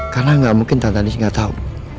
karena gak mungkin tante andis gak tahu